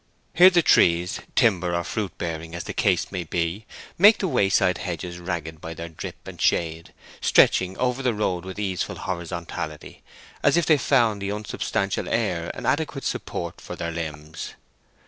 Here the trees, timber or fruit bearing, as the case may be, make the wayside hedges ragged by their drip and shade, stretching over the road with easeful horizontality, as if they found the unsubstantial air an adequate support for their limbs.